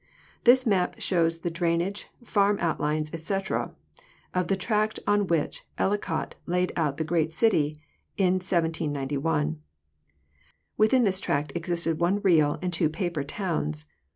This map shows the drainage, farm outlines, etc, of the tract on which Ellicott laid out a great city in 1791. Within this tract existed one real and two paper towns.